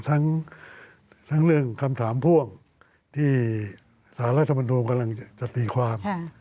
ทั้งเรื่องคำถามพ่วงที่สารรัฐมนุนกำลังจะตีความ